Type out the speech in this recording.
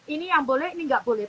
ini yang boleh ini nggak boleh